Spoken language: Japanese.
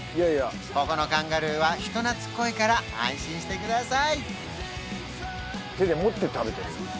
ここのカンガルーは人懐っこいから安心してください